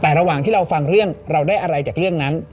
แต่ระหว่างที่เราฟังเรื่องเราได้อะไรจากเรื่องนั้น